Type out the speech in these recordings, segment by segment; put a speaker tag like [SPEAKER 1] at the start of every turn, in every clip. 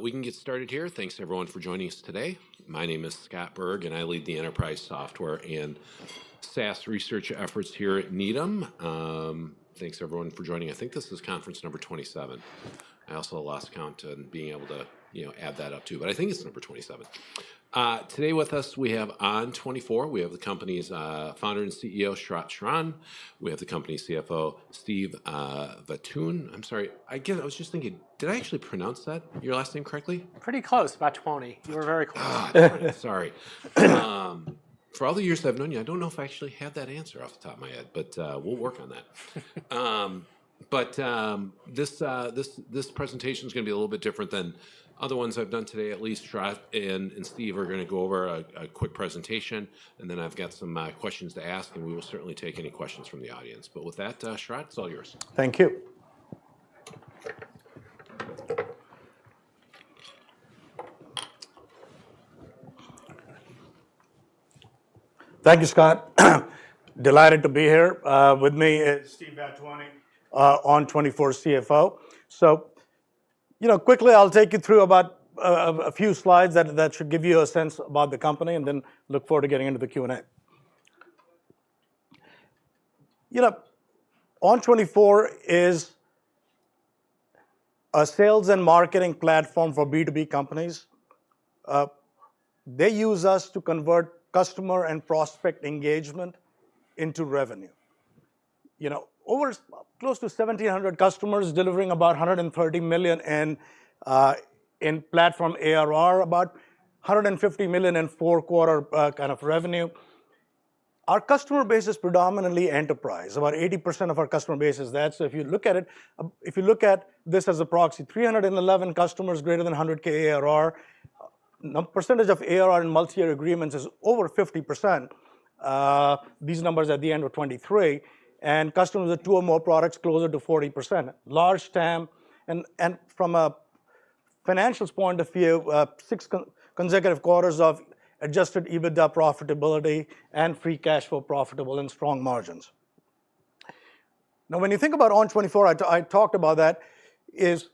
[SPEAKER 1] We can get started here. Thanks, everyone, for joining us today. My name is Scott Berg, and I lead the enterprise software and SaaS research efforts here at Needham & Company. Thanks, everyone, for joining. I think this is conference number 27. I also lost count on being able to add that up too, but I think it's number 27. Today with us, we have ON24. We have the company's founder and CEO, Sharat Sharan. We have the company's CFO, Steve Vattuone. I'm sorry, I guess I was just thinking, did I actually pronounce that, your last name correctly?
[SPEAKER 2] Pretty close, Vattuone. You were very close.
[SPEAKER 1] Sorry. For all the years I've known you, I don't know if I actually have that answer off the top of my head, but we'll work on that. But this presentation is going to be a little bit different than other ones I've done today, at least. Sharat and Steve are going to go over a quick presentation, and then I've got some questions to ask, and we will certainly take any questions from the audience. But with that, Sharat, it's all yours.
[SPEAKER 3] Thank you. Thank you, Scott. Delighted to be here. With me is Steve Vattuone, ON24 CFO. So quickly, I'll take you through a few slides that should give you a sense about the company, and then look forward to getting into the Q&A. ON24 is a sales and marketing platform for B2B companies. They use us to convert customer and prospect engagement into revenue. Close to 1,700 customers delivering about $130 million in platform ARR, about $150 million in four-quarter kind of revenue. Our customer base is predominantly enterprise. About 80% of our customer base is that. So if you look at it, if you look at this as a proxy, 311 customers, greater than 100K ARR. The percentage of ARR in multi-year agreements is over 50%. These numbers are at the end of 2023, and customers with two or more products, closer to 40%. Large TAM. And from a financials point of view, six consecutive quarters of Adjusted EBITDA profitability and Free Cash Flow profitable and strong margins. Now, when you think about ON24, I talked about that, is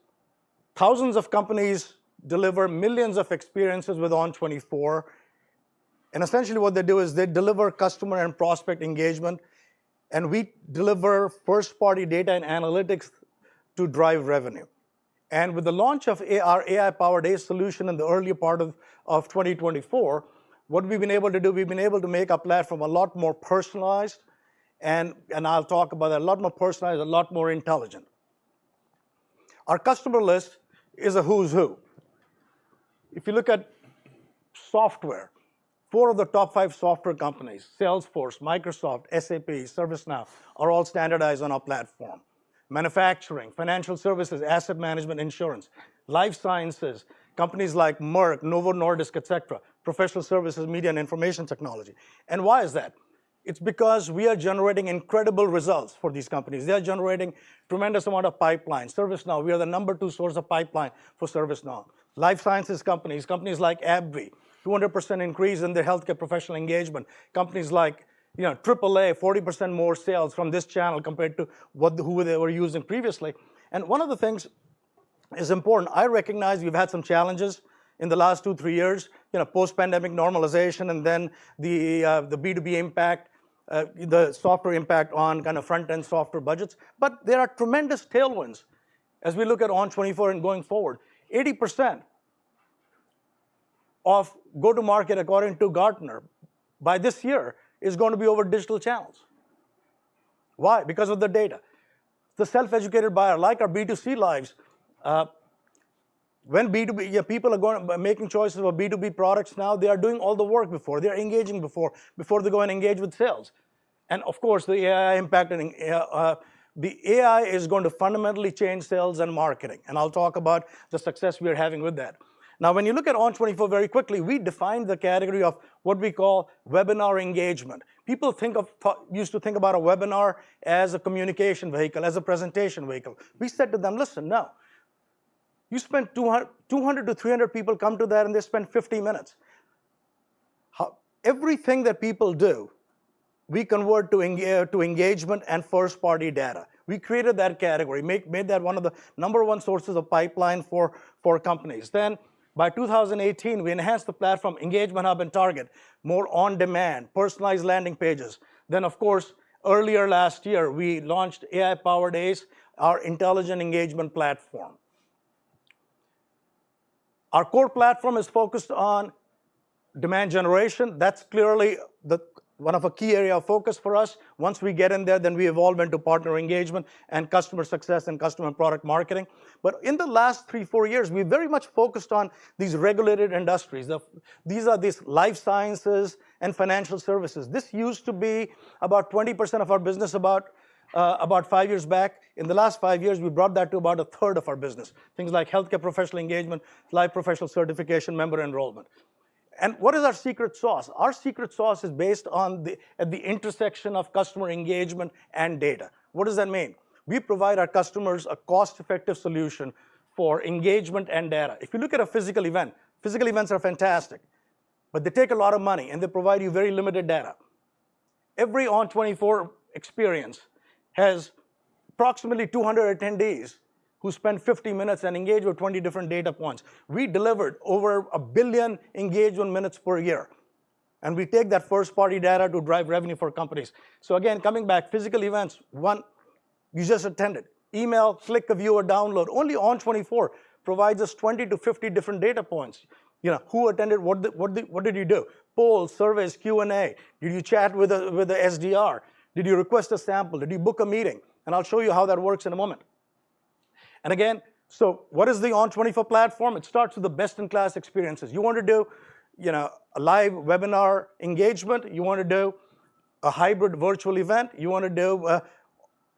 [SPEAKER 3] thousands of companies deliver millions of experiences with ON24. And essentially, what they do is they deliver customer and prospect engagement. And we deliver first-party data and analytics to drive revenue. And with the launch of our AI-powered solution in the early part of 2024, what we've been able to do, we've been able to make our platform a lot more personalized. And I'll talk about that. A lot more personalized, a lot more intelligent. Our customer list is a who's who. If you look at software, four of the top five software companies, Salesforce, Microsoft, SAP, ServiceNow, are all standardized on our platform. Manufacturing, financial services, asset management, insurance, life sciences, companies like Merck, Novo Nordisk, et cetera, professional services, media, and information technology. And why is that? It's because we are generating incredible results for these companies. They are generating a tremendous amount of pipelines. ServiceNow, we are the number two source of pipeline for ServiceNow. Life sciences companies, companies like AbbVie, 200% increase in their healthcare professional engagement. Companies like AAA, 40% more sales from this channel compared to what they were using previously. And one of the things is important. I recognize we've had some challenges in the last two, three years, post-pandemic normalization, and then the B2B impact, the software impact on kind of front-end software budgets. But there are tremendous tailwinds. As we look at ON24 and going forward, 80% of go-to-market, according to Gartner, by this year, is going to be over digital channels. Why? Because of the data. The self-educated buyer, like our B2C lives, when people are making choices for B2B products now, they are doing all the work before. They are engaging before they go and engage with sales, and of course, the AI impact. The AI is going to fundamentally change sales and marketing, and I'll talk about the success we are having with that. Now, when you look at ON24 very quickly, we defined the category of what we call webinar engagement. People used to think about a webinar as a communication vehicle, as a presentation vehicle. We said to them, listen, now, you spent 200 to 300 people come to that, and they spent 50 minutes. Everything that people do, we convert to engagement and first-party data. We created that category, made that one of the number one sources of pipeline for companies. Then, by 2018, we enhanced the platform, Engagement Hub and Target, more on-demand, personalized landing pages. Then, of course, earlier last year, we launched AI-powered ACE, our intelligent engagement platform. Our core platform is focused on demand generation. That's clearly one of our key areas of focus for us. Once we get in there, then we evolve into partner engagement and customer success and customer and product marketing. But in the last three, four years, we've very much focused on these regulated industries. These are life sciences and financial services. This used to be about 20% of our business about five years back. In the last five years, we brought that to about a third of our business. Things like healthcare professional engagement, life sciences professional certification, member enrollment. And what is our secret sauce? Our secret sauce is based at the intersection of customer engagement and data. What does that mean? We provide our customers a cost-effective solution for engagement and data. If you look at a physical event, physical events are fantastic, but they take a lot of money, and they provide you very limited data. Every ON24 experience has approximately 200 attendees who spend 50 minutes and engage with 20 different data points. We delivered over a billion engagement minutes per year. And we take that first-party data to drive revenue for companies. So again, coming back, physical events, one, you just attended. Email, click a view, or download. Only ON24 provides us 20-50 different data points. Who attended? What did you do? Polls, surveys, Q&A. Did you chat with the SDR? Did you request a sample? Did you book a meeting? And I'll show you how that works in a moment. And again, so what is the ON24 platform? It starts with the best-in-class experiences. You want to do a live webinar engagement? You want to do a hybrid virtual event? You want to do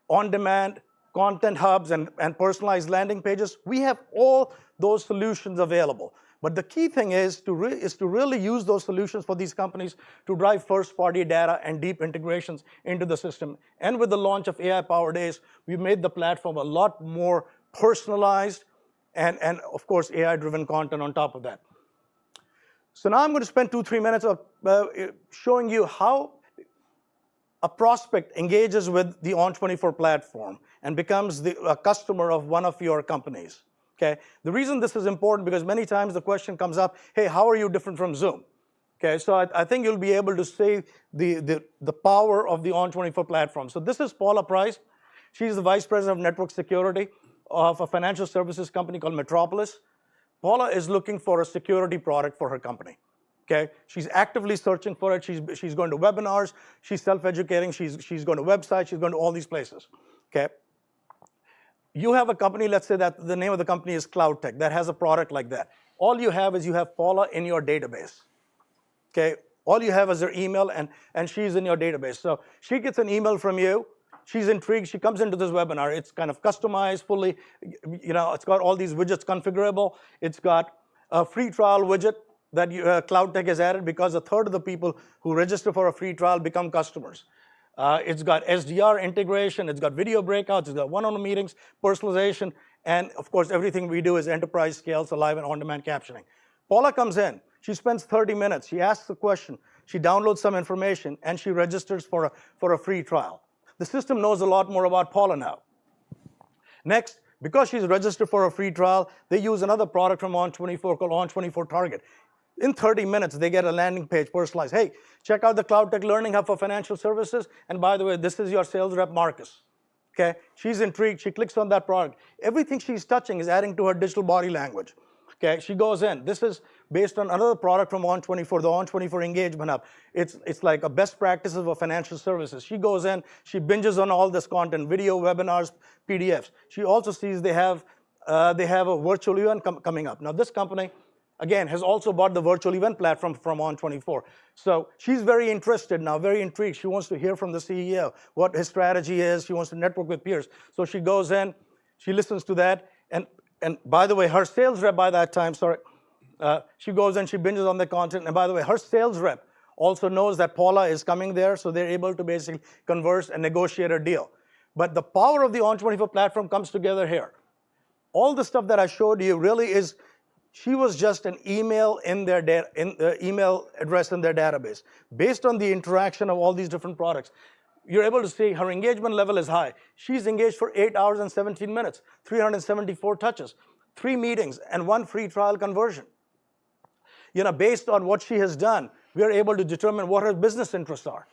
[SPEAKER 3] on-demand content hubs and personalized landing pages? We have all those solutions available, but the key thing is to really use those solutions for these companies to drive first-party data and deep integrations into the system, and with the launch of AI-powered ACE, we've made the platform a lot more personalized, and of course, AI-driven content on top of that, so now I'm going to spend two, three minutes showing you how a prospect engages with the ON24 platform and becomes a customer of one of your companies. The reason this is important is because many times the question comes up, hey, how are you different from Zoom? So I think you'll be able to see the power of the ON24 platform. So this is Paula Price. She's the Vice President of network security of a financial services company called Metropolis. Paula is looking for a security product for her company. She's actively searching for it. She's going to webinars. She's self-educating. She's going to websites. She's going to all these places. You have a company, let's say that the name of the company is CloudTech, that has a product like that. All you have is you have Paula in your database. All you have is her email, and she's in your database. So she gets an email from you. She's intrigued. She comes into this webinar. It's kind of customized fully. It's got all these widgets configurable. It's got a free trial widget that CloudTech has added because a third of the people who register for a free trial become customers. It's got SDR integration. It's got video breakouts. It's got one-on-one meetings, personalization, and of course, everything we do is enterprise scale, so live and on-demand captioning. Paula comes in. She spends 30 minutes. She asks a question. She downloads some information, and she registers for a free trial. The system knows a lot more about Paula now. Next, because she's registered for a free trial, they use another product from ON24 called ON24 Target. In 30 minutes, they get a landing page personalized. Hey, check out the CloudTech Learning Hub for financial services. And by the way, this is your sales rep, Marcus. She's intrigued. She clicks on that product. Everything she's touching is adding to her Digital Body Language. She goes in. This is based on another product from ON24, the ON24 Engagement Hub. It's like best practices for financial services. She goes in. She binges on all this content, video, webinars, PDFs. She also sees they have a virtual event coming up. Now, this company, again, has also bought the virtual event platform from ON24. So she's very interested now, very intrigued. She wants to hear from the CEO what his strategy is. She wants to network with peers. So she goes in. She listens to that. And by the way, her sales rep by that time, sorry, she goes in. She binges on the content. And by the way, her sales rep also knows that Paula is coming there, so they're able to basically converse and negotiate a deal. But the power of the ON24 platform comes together here. All the stuff that I showed you really is she was just an email in their email address in their database. Based on the interaction of all these different products, you're able to see her engagement level is high. She's engaged for eight hours and 17 minutes, 374 touches, three meetings, and one free trial conversion. Based on what she has done, we are able to determine what her business interests are.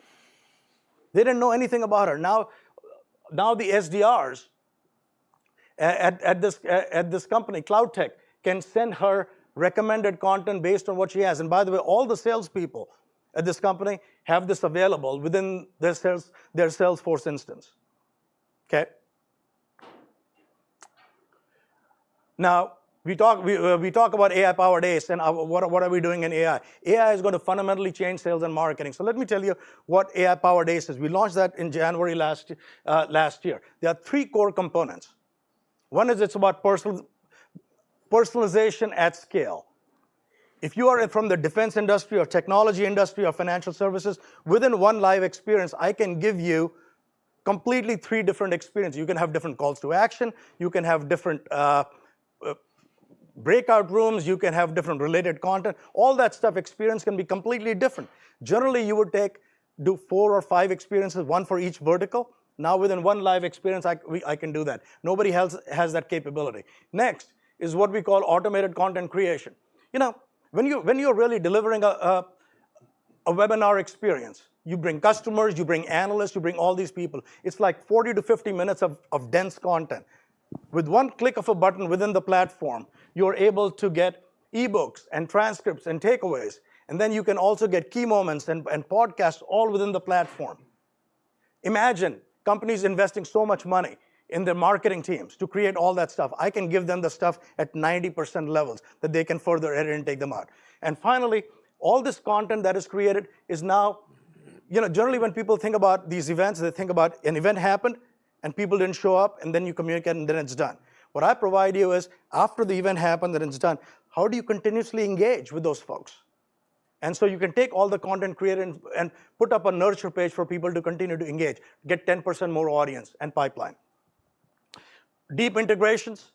[SPEAKER 3] They didn't know anything about her. Now the SDRs at this company, CloudTech, can send her recommended content based on what she has. And by the way, all the salespeople at this company have this available within their Salesforce instance. Now, we talk about AI-powered ACE and what are we doing in AI. AI is going to fundamentally change sales and marketing. So let me tell you what AI-powered ACE is. We launched that in January last year. There are three core components. One is it's about personalization at scale. If you are from the defense industry or technology industry or financial services, within one live experience, I can give you completely three different experiences. You can have different calls to action. You can have different breakout rooms. You can have different related content. All that stuff, experience can be completely different. Generally, you would do four or five experiences, one for each vertical. Now, within one live experience, I can do that. Nobody else has that capability. Next is what we call automated content creation. When you're really delivering a webinar experience, you bring customers. You bring analysts. You bring all these people. It's like 40 to 50 minutes of dense content. With one click of a button within the platform, you're able to get eBooks and transcripts and takeaways. And then you can also get key moments and podcasts all within the platform. Imagine companies investing so much money in their marketing teams to create all that stuff. I can give them the stuff at 90% levels that they can further edit and take them out. Finally, all this content that is created is now generally, when people think about these events, they think about an event happened, and people didn't show up, and then you communicate, and then it's done. What I provide you is after the event happened, then it's done. How do you continuously engage with those folks? You can take all the content created and put up a nurture page for people to continue to engage, get 10% more audience and pipeline. Deep integrations,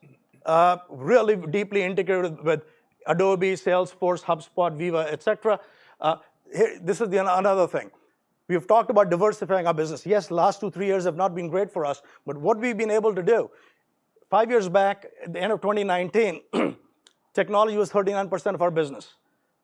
[SPEAKER 3] really deeply integrated with Adobe, Salesforce, HubSpot, Veeva, et cetera. This is another thing. We've talked about diversifying our business. Yes, the last two, three years have not been great for us. But what we've been able to do, five years back, at the end of 2019, technology was 39% of our business.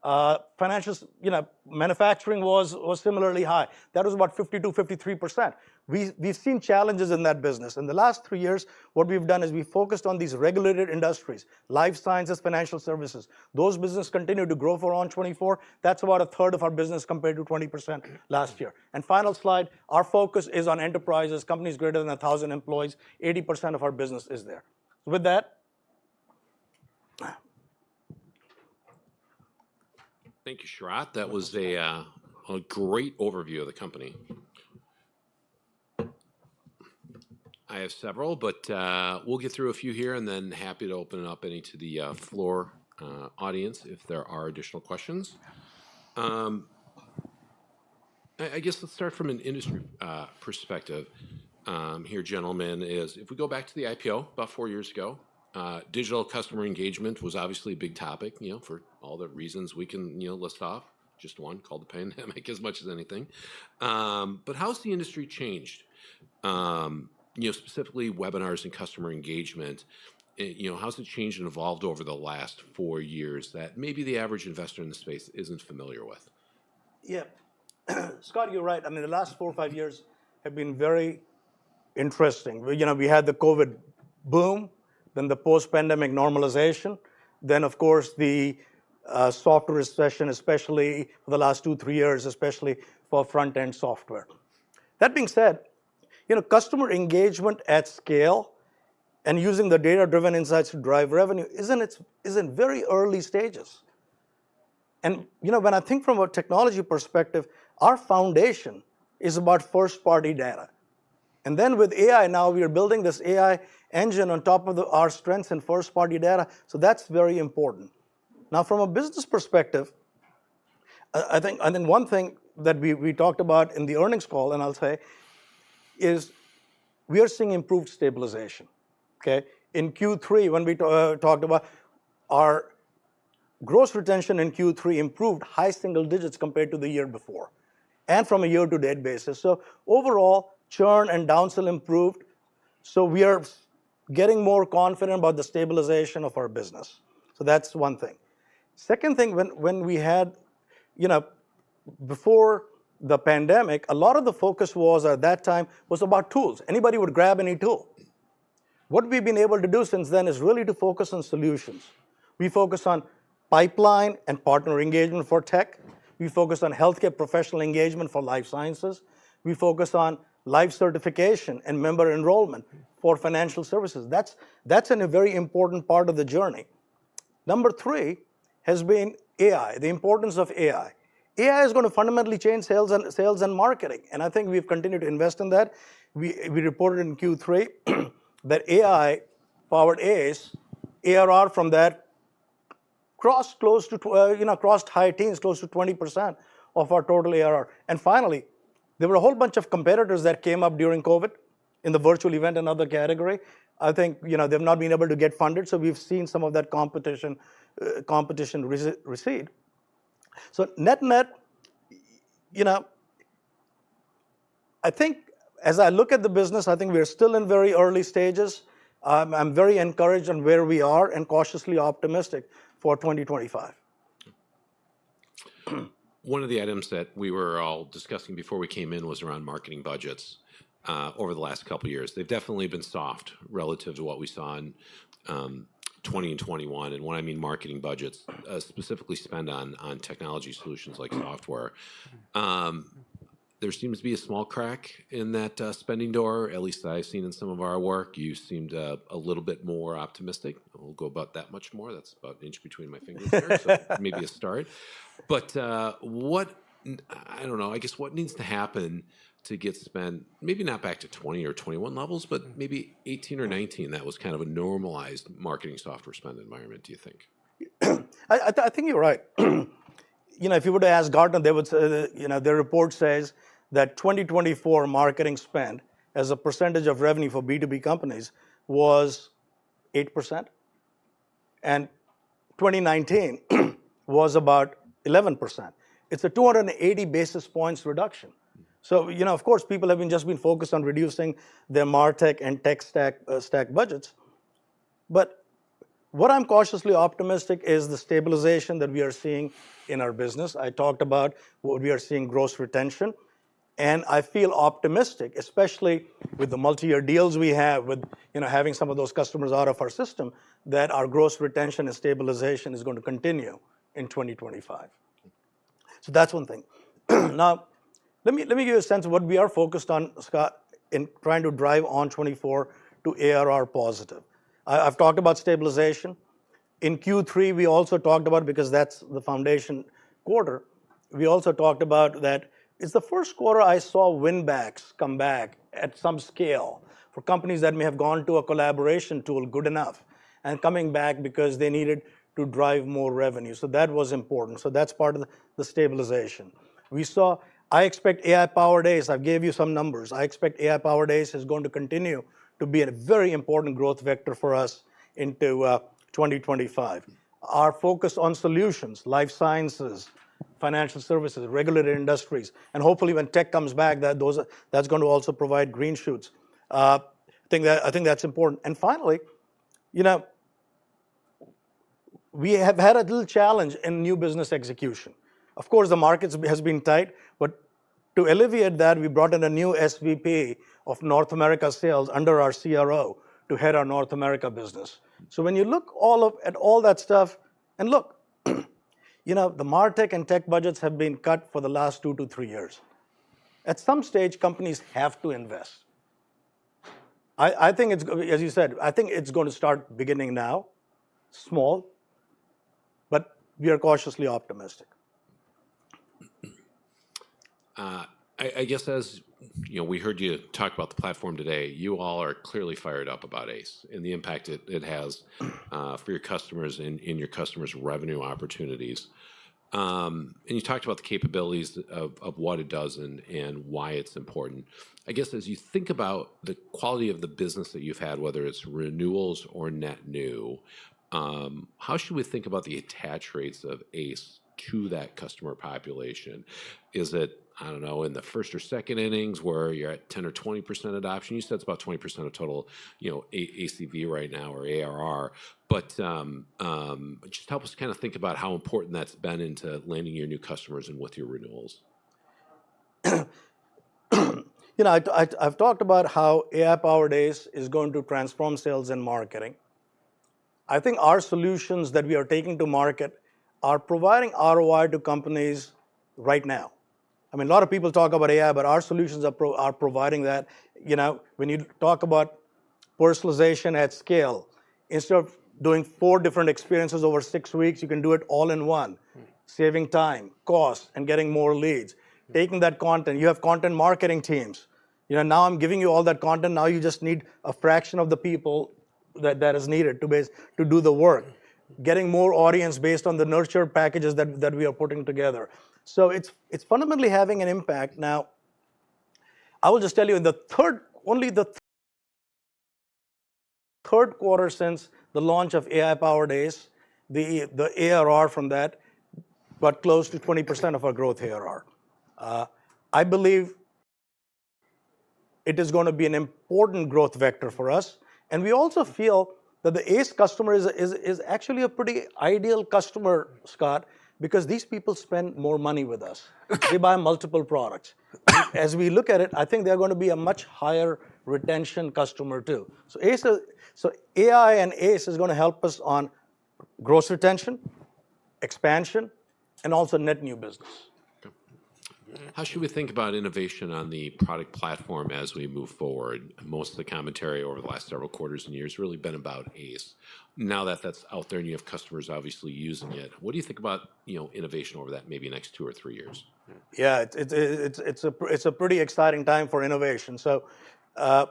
[SPEAKER 3] Manufacturing was similarly high. That was about 52%, 53%. We've seen challenges in that business. In the last three years, what we've done is we focused on these regulated industries, life sciences, financial services. Those businesses continue to grow for ON24. That's about a third of our business compared to 20% last year. And final slide, our focus is on enterprises, companies greater than 1,000 employees. 80% of our business is there. With that.
[SPEAKER 1] Thank you, Sharat. That was a great overview of the company. I have several, but we'll get through a few here, and then happy to open it up any to the floor audience if there are additional questions. I guess let's start from an industry perspective. Here, gentlemen, is if we go back to the IPO about four years ago, digital customer engagement was obviously a big topic for all the reasons we can list off. Just one called the pandemic as much as anything. But how has the industry changed, specifically webinars and customer engagement? How has it changed and evolved over the last four years that maybe the average investor in the space isn't familiar with?
[SPEAKER 3] Yep. Scott, you're right. I mean, the last four or five years have been very interesting. We had the COVID boom, then the post-pandemic normalization, then, of course, the software recession, especially for the last two, three years, especially for front-end software. That being said, customer engagement at scale and using the data-driven insights to drive revenue is in very early stages. And when I think from a technology perspective, our foundation is about first-party data. And then with AI now, we are building this AI engine on top of our strengths in first-party data. So that's very important. Now, from a business perspective, I think one thing that we talked about in the earnings call, and I'll say, is we are seeing improved stabilization. In Q3, when we talked about our gross retention in Q3 improved high single digits compared to the year before and from a year-to-date basis. So overall, churn and downsell improved. So we are getting more confident about the stabilization of our business. So that's one thing. Second thing, when we had before the pandemic, a lot of the focus at that time was about tools. Anybody would grab any tool. What we've been able to do since then is really to focus on solutions. We focus on pipeline and partner engagement for tech. We focus on healthcare professional engagement for life sciences. We focus on life certification and member enrollment for financial services. That's a very important part of the journey. Number three has been AI, the importance of AI. AI is going to fundamentally change sales and marketing, and I think we've continued to invest in that. We reported in Q3 that AI-powered ACE ARR from that crossed close to high teens, close to 20% of our total ARR. Finally, there were a whole bunch of competitors that came up during COVID in the virtual event and other category. I think they've not been able to get funded. So we've seen some of that competition recede. Net-net, I think as I look at the business, I think we're still in very early stages. I'm very encouraged on where we are and cautiously optimistic for 2025.
[SPEAKER 1] One of the items that we were all discussing before we came in was around marketing budgets over the last couple of years. They've definitely been soft relative to what we saw in 2021. When I mean marketing budgets, specifically spend on technology solutions like software, there seems to be a small crack in that spending door, at least I've seen in some of our work. You seemed a little bit more optimistic. I'll go about that much more. That's about an inch between my fingers here, so maybe a start. I don't know. I guess what needs to happen to get spend, maybe not back to 20 or 21 levels, but maybe 18 or 19, that was kind of a normalized marketing software spend environment, do you think?
[SPEAKER 3] I think you're right. If you were to ask Gartner, their report says that 2024 marketing spend as a percentage of revenue for B2B companies was 8%. And 2019 was about 11%. It's a 280 basis points reduction. So of course, people have just been focused on reducing their MarTech and tech budgets. But what I'm cautiously optimistic is the stabilization that we are seeing in our business. I talked about what we are seeing gross retention. And I feel optimistic, especially with the multi-year deals we have, with having some of those customers out of our system, that our gross retention and stabilization is going to continue in 2025. So that's one thing. Now, let me give you a sense of what we are focused on, Scott, in trying to drive ON24 to ARR positive. I've talked about stabilization. In Q3, we also talked about, because that's the foundation quarter, we also talked about that it's the first quarter I saw win-backs come back at some scale for companies that may have gone to a collaboration tool good enough and coming back because they needed to drive more revenue. So that was important. So that's part of the stabilization. I expect AI-powered ACE. I've given you some numbers. I expect AI-powered ACE is going to continue to be a very important growth vector for us into 2025. Our focus on solutions, life sciences, financial services, regulated industries, and hopefully when tech comes back, that's going to also provide green shoots. I think that's important, and finally, we have had a little challenge in new business execution. Of course, the markets have been tight. But to alleviate that, we brought in a new SVP of North America sales under our CRO to head our North America business. So when you look at all that stuff, the MarTech and tech budgets have been cut for the last two to three years. At some stage, companies have to invest. As you said, I think it's going to start beginning now, small, but we are cautiously optimistic.
[SPEAKER 1] I guess as we heard you talk about the platform today, you all are clearly fired up about ACE and the impact it has for your customers and your customers' revenue opportunities. And you talked about the capabilities of what it does and why it's important. I guess as you think about the quality of the business that you've had, whether it's renewals or net new, how should we think about the attach rates of ACE to that customer population? Is it, I don't know, in the first or second innings where you're at 10% or 20% adoption? You said it's about 20% of total ACV right now or ARR. But just help us kind of think about how important that's been into landing your new customers and with your renewals.
[SPEAKER 3] I've talked about how AI-powered ACE is going to transform sales and marketing. I think our solutions that we are taking to market are providing ROI to companies right now. I mean, a lot of people talk about AI, but our solutions are providing that. When you talk about personalization at scale, instead of doing four different experiences over six weeks, you can do it all in one, saving time, cost, and getting more leads. Taking that content, you have content marketing teams. Now I'm giving you all that content. Now you just need a fraction of the people that is needed to do the work, getting more audience based on the nurture packages that we are putting together. So it's fundamentally having an impact. Now, I will just tell you, only the third quarter since the launch of AI-powered ACE, the ARR from that got close to 20% of our growth ARR. I believe it is going to be an important growth vector for us. And we also feel that the ACE customer is actually a pretty ideal customer, Scott, because these people spend more money with us. They buy multiple products. As we look at it, I think they're going to be a much higher retention customer too. So AI and ACE is going to help us on gross retention, expansion, and also net new business.
[SPEAKER 1] How should we think about innovation on the product platform as we move forward? Most of the commentary over the last several quarters and years has really been about ACE. Now that that's out there and you have customers obviously using it, what do you think about innovation over that maybe next two or three years?
[SPEAKER 3] Yeah, it's a pretty exciting time for innovation. So I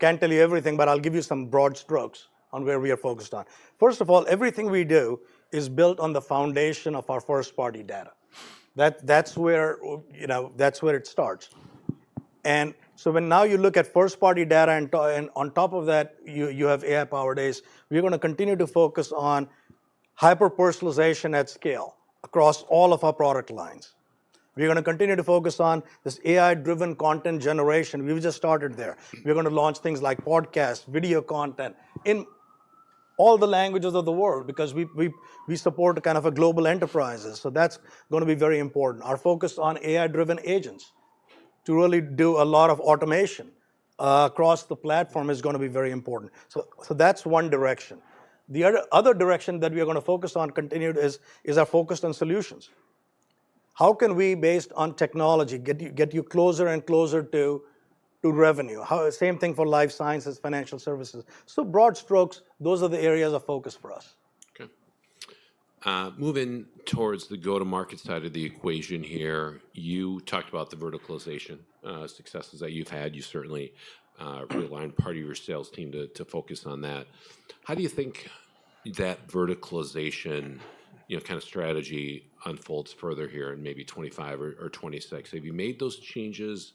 [SPEAKER 3] can't tell you everything, but I'll give you some broad strokes on where we are focused on. First of all, everything we do is built on the foundation of our first-party data. That's where it starts. And so, when now you look at first-party data and on top of that, you have AI-powered ACE, we're going to continue to focus on hyper-personalization at scale across all of our product lines. We're going to continue to focus on this AI-driven content generation. We've just started there. We're going to launch things like podcasts, video content in all the languages of the world because we support kind of global enterprises. So that's going to be very important. Our focus on AI-driven agents to really do a lot of automation across the platform is going to be very important. So that's one direction. The other direction that we are going to focus on continued is our focus on solutions. How can we, based on technology, get you closer and closer to revenue? Same thing for life sciences, financial services. Broad strokes, those are the areas of focus for us.
[SPEAKER 1] Moving towards the go-to-market side of the equation here, you talked about the verticalization successes that you've had. You certainly realigned part of your sales team to focus on that. How do you think that verticalization kind of strategy unfolds further here in maybe 2025 or 2026? Have you made those changes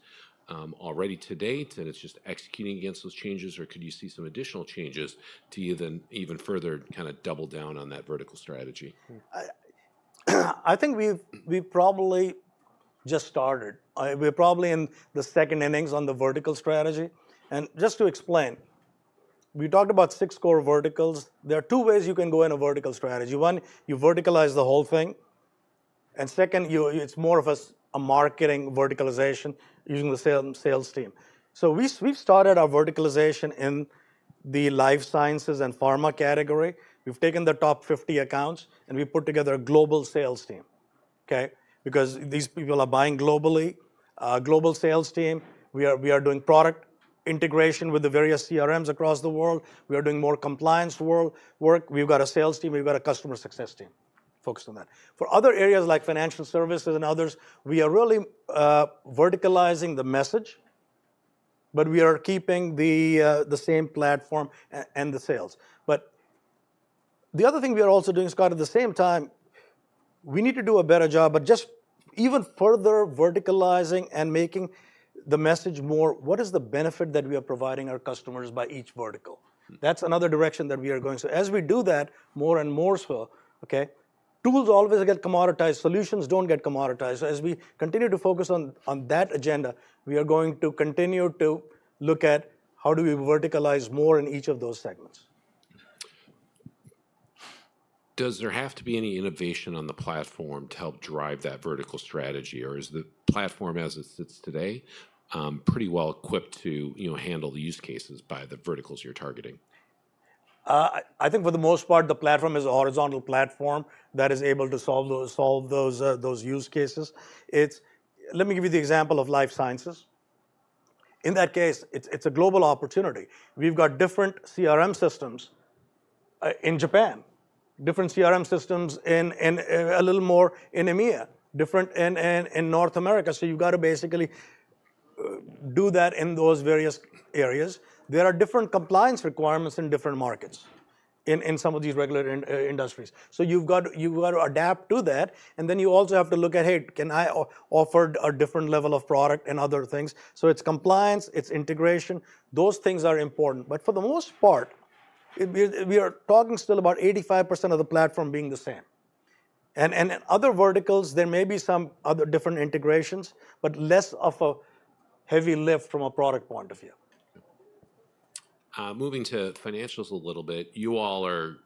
[SPEAKER 1] already to date, and it's just executing against those changes, or could you see some additional changes to even further kind of double down on that vertical strategy?
[SPEAKER 3] I think we've probably just started. We're probably in the second innings on the vertical strategy. And just to explain, we talked about six core verticals. There are two ways you can go in a vertical strategy. One, you verticalize the whole thing. And second, it's more of a marketing verticalization using the sales team. We've started our verticalization in the life sciences and pharma category. We've taken the top 50 accounts, and we put together a global sales team. Because these people are buying globally. A global sales team. We are doing product integration with the various CRMs across the world. We are doing more compliance work. We've got a sales team. We've got a customer success team focused on that. For other areas like financial services and others, we are really verticalizing the message, but we are keeping the same platform and the sales. The other thing we are also doing, Scott, at the same time, we need to do a better job, but just even further verticalizing and making the message more, what is the benefit that we are providing our customers by each vertical? That's another direction that we are going. So as we do that more and more so, tools always get commoditized. Solutions don't get commoditized. So as we continue to focus on that agenda, we are going to continue to look at how do we verticalize more in each of those segments.
[SPEAKER 1] Does there have to be any innovation on the platform to help drive that vertical strategy, or is the platform as it sits today pretty well equipped to handle the use cases by the verticals you're targeting?
[SPEAKER 3] I think for the most part, the platform is a horizontal platform that is able to solve those use cases. Let me give you the example of life sciences. In that case, it's a global opportunity. We've got different CRM systems in Japan, different CRM systems a little more in EMEA, different in North America. So you've got to basically do that in those various areas. There are different compliance requirements in different markets in some of these regular industries. So you've got to adapt to that. And then you also have to look at, hey, can I offer a different level of product and other things? So it's compliance, it's integration. Those things are important. But for the most part, we are talking still about 85% of the platform being the same. And in other verticals, there may be some other different integrations, but less of a heavy lift from a product point of view.
[SPEAKER 1] Moving to financials a little bit, you all are,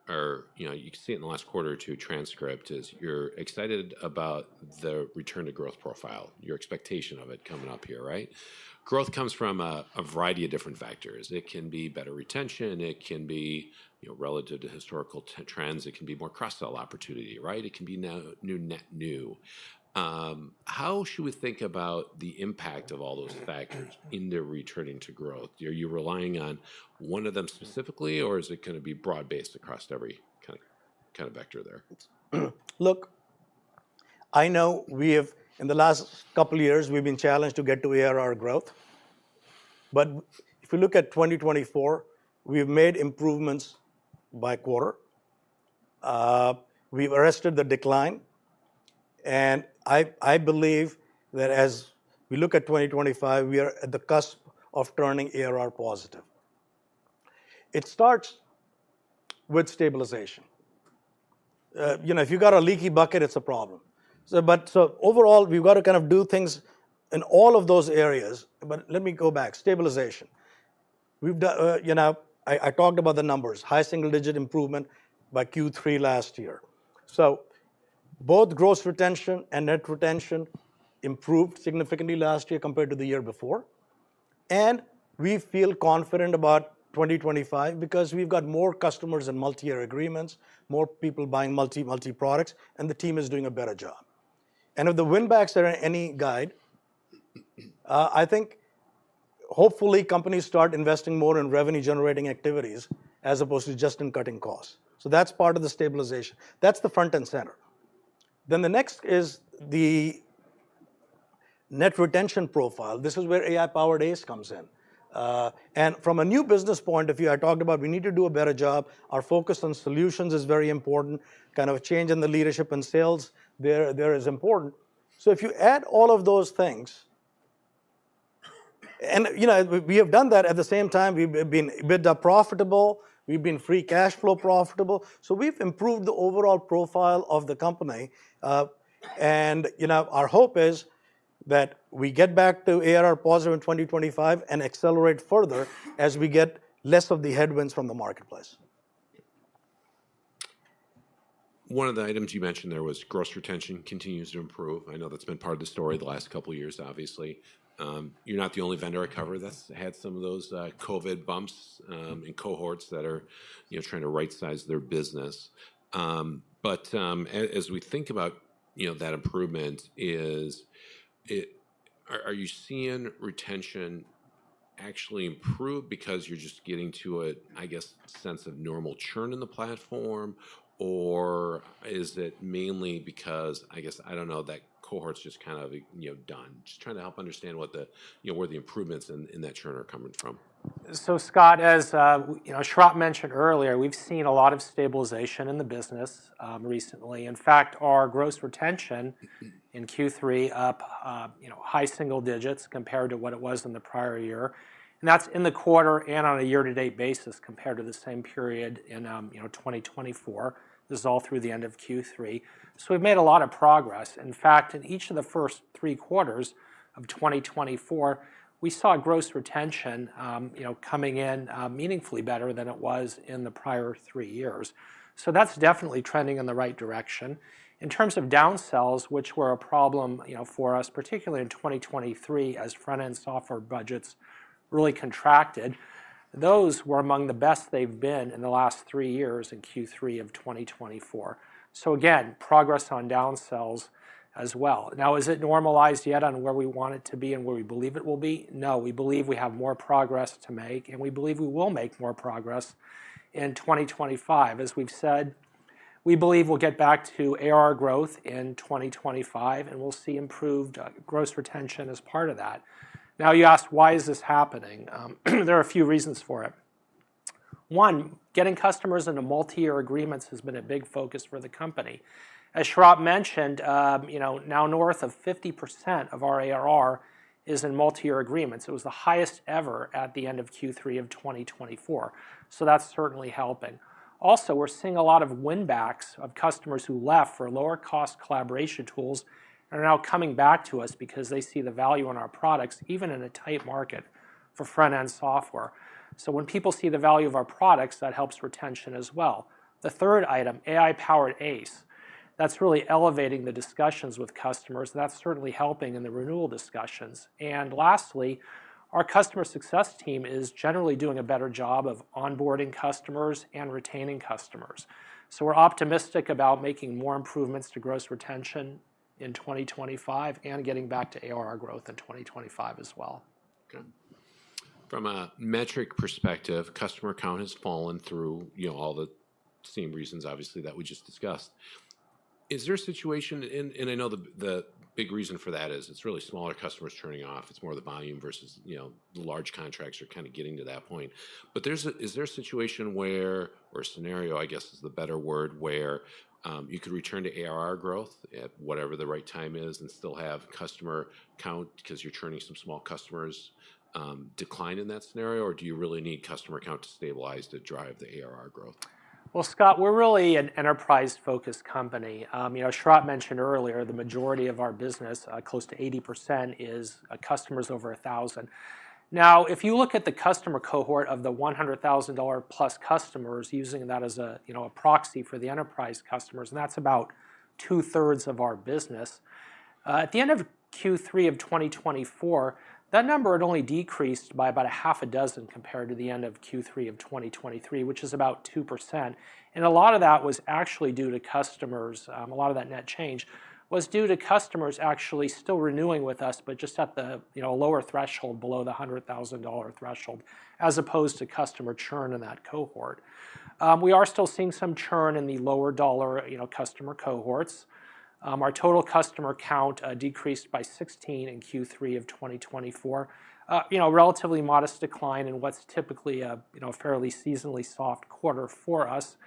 [SPEAKER 1] you can see it in the last quarter or two transcript, is you're excited about the return to growth profile, your expectation of it coming up here, right? Growth comes from a variety of different factors. It can be better retention. It can be relative to historical trends. It can be more cross-sell opportunity, right? It can be net new. How should we think about the impact of all those factors in their returning to growth? Are you relying on one of them specifically, or is it going to be broad-based across every kind of vector there?
[SPEAKER 3] Look, I know in the last couple of years, we've been challenged to get to ARR growth. But if we look at 2024, we've made improvements by quarter. We've arrested the decline. And I believe that as we look at 2025, we are at the cusp of turning ARR positive. It starts with stabilization. If you've got a leaky bucket, it's a problem. But so overall, we've got to kind of do things in all of those areas. But let me go back. Stabilization. I talked about the numbers, high single-digit improvement by Q3 last year. Both gross retention and net retention improved significantly last year compared to the year before. And we feel confident about 2025 because we've got more customers and multi-year agreements, more people buying multi-products, and the team is doing a better job. And if the win-backs are any guide, I think hopefully companies start investing more in revenue-generating activities as opposed to just in cutting costs. So that's part of the stabilization. That's the front and center. Then the next is the net retention profile. This is where AI-powered ACE comes in. And from a new business point of view, I talked about we need to do a better job. Our focus on solutions is very important. Kind of a change in the leadership and sales there is important. So if you add all of those things, and we have done that at the same time, we've been profitable. We've been Free Cash Flow profitable, so we've improved the overall profile of the company, and our hope is that we get back to ARR positive in 2025 and accelerate further as we get less of the headwinds from the marketplace.
[SPEAKER 1] One of the items you mentioned there was gross retention continues to improve. I know that's been part of the story the last couple of years, obviously. You're not the only vendor I covered that's had some of those COVID bumps in cohorts that are trying to right-size their business, but as we think about that improvement, are you seeing retention actually improve because you're just getting to a, I guess, sense of normal churn in the platform, or is it mainly because, I guess, I don't know, that cohort's just kind of done? Just trying to help understand where the improvements in that churn are coming from.
[SPEAKER 2] So, Scott, as Sharat mentioned earlier, we've seen a lot of stabilization in the business recently. In fact, our gross retention in Q3 up high single digits compared to what it was in the prior year. And that's in the quarter and on a year-to-date basis compared to the same period in 2024. This is all through the end of Q3. So we've made a lot of progress. In fact, in each of the first three quarters of 2024, we saw gross retention coming in meaningfully better than it was in the prior three years. So that's definitely trending in the right direction. In terms of downsells, which were a problem for us, particularly in 2023 as front-end software budgets really contracted, those were among the best they've been in the last three years in Q3 of 2024. So again, progress on downsells as well. Now, is it normalized yet on where we want it to be and where we believe it will be? No, we believe we have more progress to make, and we believe we will make more progress in 2025. As we've said, we believe we'll get back to ARR growth in 2025, and we'll see improved gross retention as part of that. Now, you asked, why is this happening? There are a few reasons for it. One, getting customers into multi-year agreements has been a big focus for the company. As Sharat mentioned, now north of 50% of our ARR is in multi-year agreements. It was the highest ever at the end of Q3 of 2024. So that's certainly helping. Also, we're seeing a lot of win-backs of customers who left for lower-cost collaboration tools and are now coming back to us because they see the value in our products, even in a tight market for front-end software. So when people see the value of our products, that helps retention as well. The third item, AI-powered ACE, that's really elevating the discussions with customers, and that's certainly helping in the renewal discussions. And lastly, our customer success team is generally doing a better job of onboarding customers and retaining customers. So we're optimistic about making more improvements to gross retention in 2025 and getting back to ARR growth in 2025 as well.
[SPEAKER 1] From a metric perspective, customer count has fallen through all the same reasons, obviously, that we just discussed. Is there a situation, and I know the big reason for that is it's really smaller customers turning off. It's more the volume versus the large contracts are kind of getting to that point. But is there a situation where or scenario, I guess is the better word, where you could return to ARR growth at whatever the right time is and still have customer count because you're turning some small customers decline in that scenario, or do you really need customer count to stabilize to drive the ARR growth?
[SPEAKER 2] Scott, we're really an enterprise-focused company. Sharat mentioned earlier, the majority of our business, close to 80%, is customers over 1,000. Now, if you look at the customer cohort of the $100,000-plus customers using that as a proxy for the enterprise customers, and that's about two-thirds of our business. At the end of Q3 of 2024, that number had only decreased by about a half a dozen compared to the end of Q3 of 2023, which is about 2%, and a lot of that was actually due to customers. A lot of that net change was due to customers actually still renewing with us, but just at the lower threshold below the $100,000 threshold, as opposed to customer churn in that cohort. We are still seeing some churn in the lower dollar customer cohorts. Our total customer count decreased by 16 in Q3 of 2024, a relatively modest decline in what's typically a fairly seasonally soft quarter for us.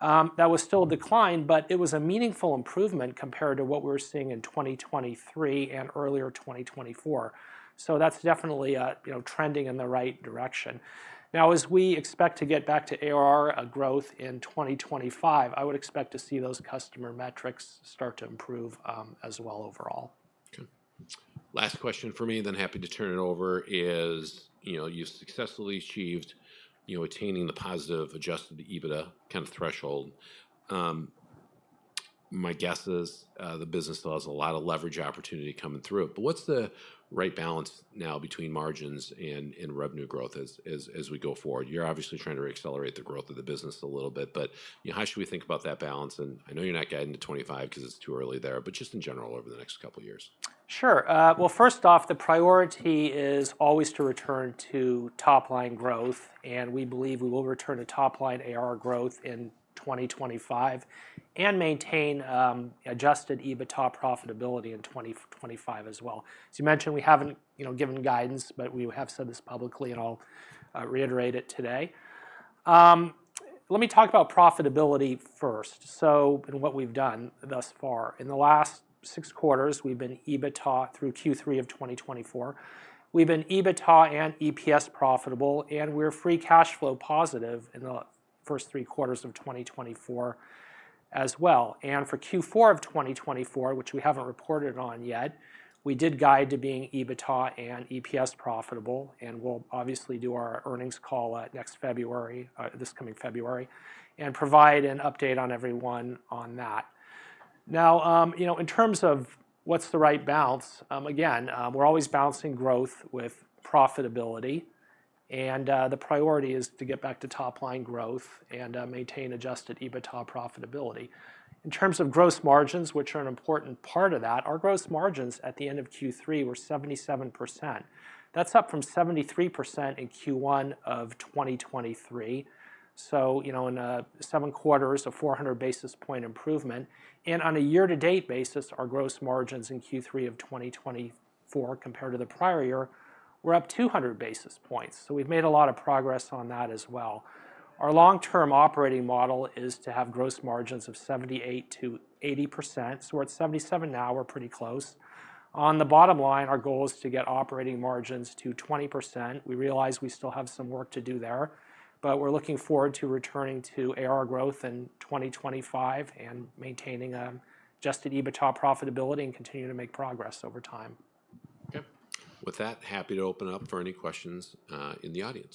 [SPEAKER 2] That was still a decline, but it was a meaningful improvement compared to what we were seeing in 2023 and earlier 2024, so that's definitely trending in the right direction. Now, as we expect to get back to ARR growth in 2025, I would expect to see those customer metrics start to improve as well overall.
[SPEAKER 1] Last question for me, then happy to turn it over, is you've successfully achieved attaining the positive Adjusted EBITDA kind of threshold. My guess is the business still has a lot of leverage opportunity coming through it. But what's the right balance now between margins and revenue growth as we go forward? You're obviously trying to accelerate the growth of the business a little bit, but how should we think about that balance? And I know you're not getting to 25 because it's too early there, but just in general over the next couple of years.
[SPEAKER 2] Sure. Well, first off, the priority is always to return to top-line growth. We believe we will return to top-line ARR growth in 2025 and maintain Adjusted EBITDA profitability in 2025 as well. As you mentioned, we haven't given guidance, but we have said this publicly, and I'll reiterate it today. Let me talk about profitability first and what we've done thus far. In the last six quarters, we've been EBITDA through Q3 of 2024. We've been EBITDA and EPS profitable, and we're Free Cash Flow positive in the first three quarters of 2024 as well. For Q4 of 2024, which we haven't reported on yet, we did guide to being EBITDA and EPS profitable, and we'll obviously do our earnings call this coming February and provide an update on everyone on that. Now, in terms of what's the right balance, again, we're always balancing growth with profitability. The priority is to get back to top-line growth and maintain Adjusted EBITDA profitability. In terms of gross margins, which are an important part of that, our gross margins at the end of Q3 were 77%. That's up from 73% in Q1 of 2023. In seven quarters, a 400 basis points improvement. On a year-to-date basis, our gross margins in Q3 of 2024 compared to the prior year, we're up 200 basis points. We've made a lot of progress on that as well. Our long-term operating model is to have gross margins of 78%-80%. We're at 77% now. We're pretty close. On the bottom line, our goal is to get operating margins to 20%. We realize we still have some work to do there, but we're looking forward to returning to ARR growth in 2025 and maintaining Adjusted EBITDA profitability and continuing to make progress over time.
[SPEAKER 1] With that, happy to open up for any questions in the audience.